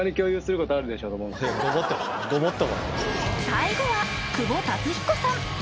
最後は久保竜彦さん。